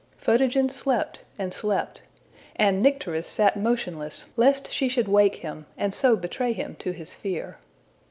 Photogen slept, and slept; and Nycteris sat motionless lest she should wake him, and so betray him to his fear.